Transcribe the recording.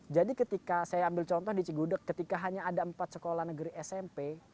jadi ketika saya ambil contoh di cigudeg ketika hanya ada empat sekolah negeri smp